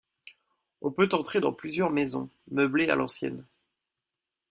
On peut entrer dans plusieurs maisons, meublées à l'ancienne.